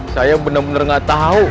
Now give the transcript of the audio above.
saya benar benar nggak tahu